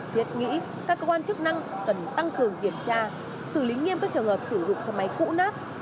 thiết nghĩ các cơ quan chức năng cần tăng cường kiểm tra xử lý nghiêm các trường hợp sử dụng xe máy cũ nát